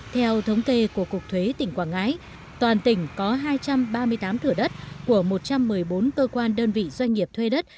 theo thống kê của cục thuế tỉnh quảng ngãi toàn tỉnh có hai trăm ba mươi tám thửa đất của một trăm một mươi bốn cơ quan đơn vị doanh nghiệp thuê đất